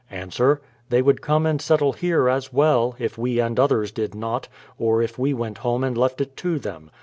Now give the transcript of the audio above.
Ans : They would come and settle here as well, if we and others did not, or if we went home and left it to them.